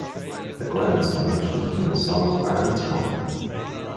The Glens are mentioned in the song "Ireland's Call".